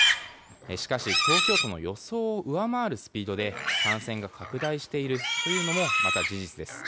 しかし、東京都の予想を上回るスピードで感染が拡大しているというのもまた事実です。